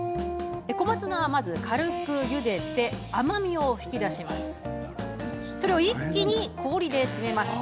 小松菜は軽くゆでて甘みを引き出してそれを一気に氷で締める。